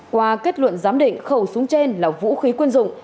qua kết luận giám định khẩu súng trên là vũ khí quân dụng